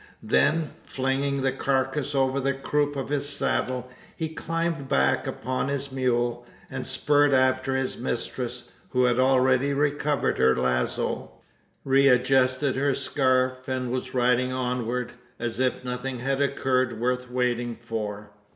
Then, flinging the carcass over the croup of his saddle, he climbed back upon his mule, and spurred after his mistress who had already recovered her lazo, readjusted her scarf, and was riding onward, as if nothing had occurred worth waiting for!